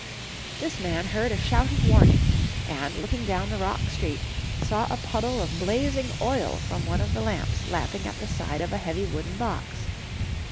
This man heard a shout of warning, and, looking down the rock street, saw a puddle of blazing oil from one of the lamps lapping at the side of a heavy wooden box.